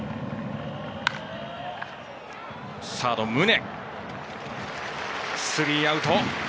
サード、宗がとってスリーアウト。